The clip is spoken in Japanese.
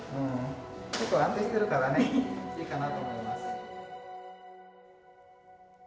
結構安定してるからねいいかなと思います。